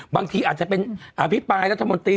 บางทีอาจจะเป็นอภิปรายรัฐมนตรี